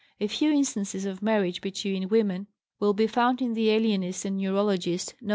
A few instances of marriage between women will be found in the Alienist and Neurologist, Nov.